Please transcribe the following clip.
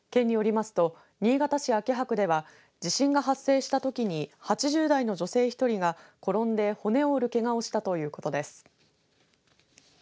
県によりますと新潟市秋葉区では地震が発生したときに８０代の女性１人が転んで骨を折るけがをしたということです。